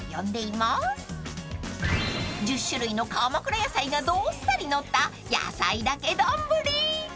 ［１０種類の鎌倉野菜がどっさりのった野菜だけ丼］